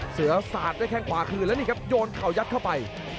เสือสาดด้วยแข้งขวาคืนแล้วนี่ครับโยนเข่ายัดเข้าไป